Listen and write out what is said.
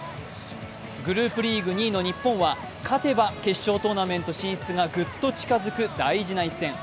グループリーグ２位の日本は勝てば決勝トーナメント進出がグッと近づく大事な一戦。